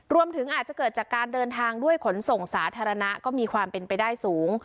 รวมถึงอาจจะเกิดจากการเดินทางด้วยขนส่งสาธารณะก็มีความเป็นไปได้สูง